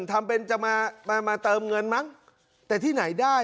ทำเป็นจะมามาเติมเงินมั้งแต่ที่ไหนได้